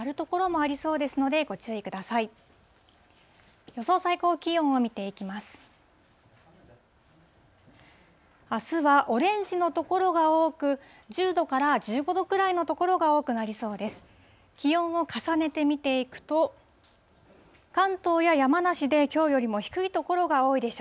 あすはオレンジの所が多く、１０度から１５度くらいの所が多くなりそうです。